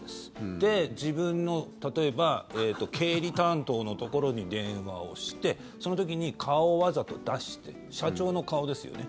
で、自分の例えば経理担当のところに電話をしてその時に顔をわざと出して社長の顔ですよね。